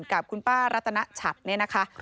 กับคุณป้ารัตนชัดเนี่ยนะคะ